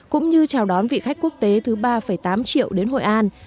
cũng như chào đón vị khách quốc tế thứ ba tám triệu đến hội an